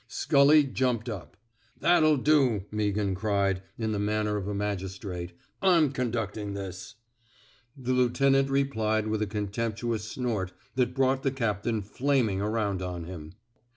Scully jumped up. " That'll do," Mea ghan cried, in the manner of a magistrate, ^a'mconductin'this." The lieutenant replied with a contemp 273 THE SMOKE EATEES taons snort that brought the captain flaming aronnd on him.